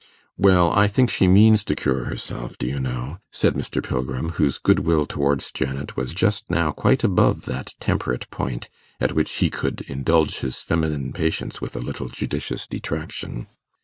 'Well, I think she means to cure herself, do you know,' said Mr. Pilgrim, whose goodwill towards Janet was just now quite above that temperate point at which he could indulge his feminine patients with a little judicious detraction.